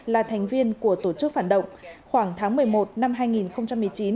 là thành viên của tổ chức phản động khoảng tháng một mươi một năm hai nghìn một mươi chín